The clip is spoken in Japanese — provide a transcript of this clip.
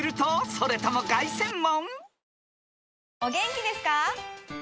それとも凱旋門？］